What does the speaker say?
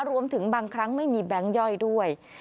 รวมถึงบางครั้งไม่มีแบงค์ย่อยด้วย